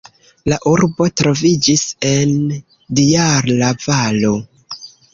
La urbo troviĝis en Dijala-valo.